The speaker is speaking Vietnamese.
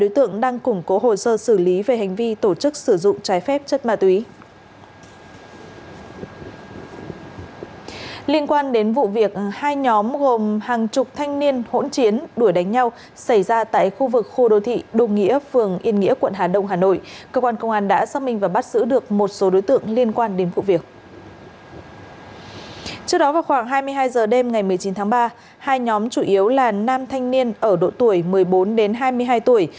trước đó vào khoảng hai mươi hai h đêm ngày một mươi chín tháng ba hai nhóm chủ yếu là nam thanh niên ở độ tuổi một mươi bốn hai mươi hai tuổi